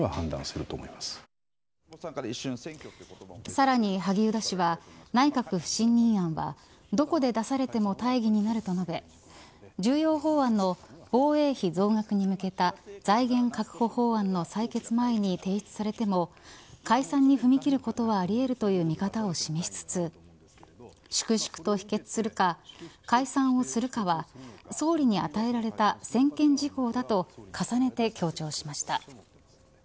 さらに萩生田氏は内閣不信任案はどこで出されても大義になると述べ重要法案の防衛費増額に向けた財源確保法案の採決前に提出されても解散に踏み切ることはあり得るとの見方を示しつつ粛々と否決するか解散をするかは総理に与えられた専権事項だと重ねて強調しました。